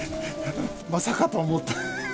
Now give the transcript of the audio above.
まさかと思った。